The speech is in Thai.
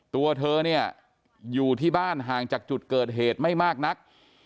ตัวเธอเนี่ยอยู่ที่บ้านห่างจากจุดเกิดเหตุไม่มากนัก